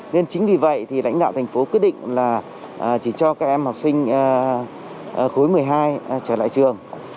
nên chính vì vậy thì lãnh đạo thành phố quyết định là chỉ cho các em học sinh khối một mươi hai trở lại trường